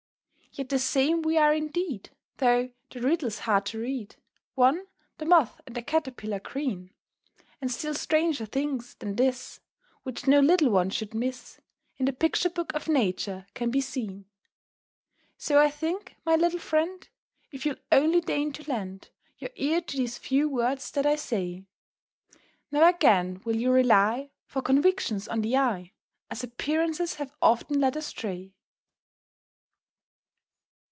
_"] Yet the same we are indeed, Though the riddle's hard to read, One, the Moth and the Caterpillar green; And still stranger things than this, Which no little one should miss, In the Picture Book of Nature can be seen. [Illustration: "If you'll only deign to lend your ear."] So I think, my little friend, If you'll only deign to lend Your ear to these few words that I say, Ne'er again will you rely For convictions on the eye, As appearances have often led astray.